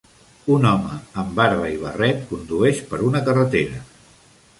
Un home amb barba i barret condueix per una carretera.